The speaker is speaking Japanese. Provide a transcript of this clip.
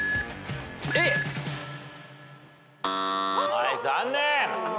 はい残念。